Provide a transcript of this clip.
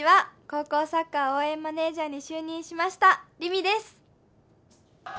高校サッカー応援マネージャーに就任しました凛美です。